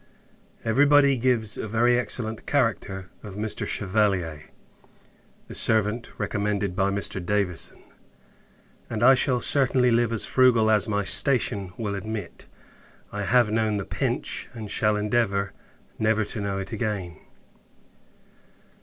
Every body gives a very excellent character of Mr. Chevalier, the servant recommended by Mr. Davison; and I shall certainly live as frugal as my station will admit. I have known the pinch, and shall endeavour never to know it again.